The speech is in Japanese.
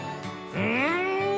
うん！